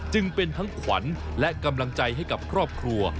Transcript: จึงเป็นทั้งขวัญและกำลังใจให้กับครอบครัว